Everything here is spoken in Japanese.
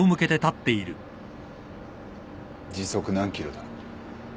時速何キロだ。